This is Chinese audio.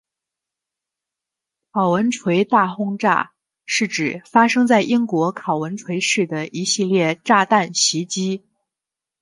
考文垂大轰炸是指发生在英国考文垂市的一系列炸弹袭击。